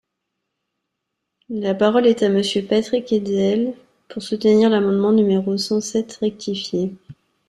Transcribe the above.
La parole est à Monsieur Patrick Hetzel, pour soutenir l’amendement numéro cent sept rectifié.